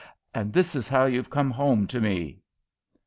And this is how you've come home to me!"